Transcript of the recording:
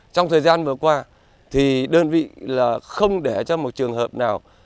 trong thời gian vừa qua đơn vị không để trong một trường hợp nào